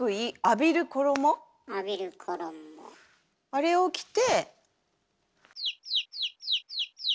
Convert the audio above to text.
あれを着て。